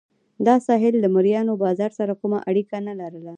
دا ساحل د مریانو بازار سره کومه اړیکه نه لرله.